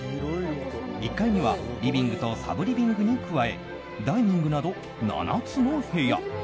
１階にはリビングとサブリビングに加えダイニングなど７つの部屋。